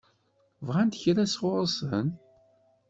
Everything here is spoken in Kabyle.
Bɣant kra sɣur-sen?